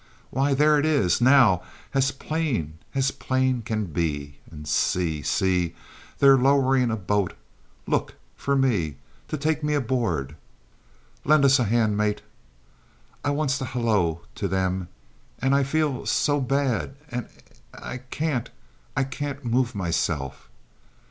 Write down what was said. Why, there it is, now, as plain as plain can be; and, see see they're lowering a boat, look, for me, to take me aboard. Lend us a hand, mate. I wants to halloo to 'em and I feels so bad and I can't, I can't move myself.